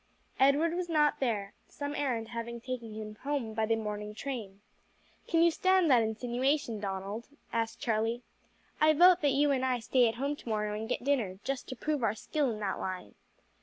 Edward was not there, some errand having taken him home by the morning train. "Can you stand that insinuation, Donald?" asked Charlie. "I vote that you and I stay at home to morrow and get dinner, just to prove our skill in that line."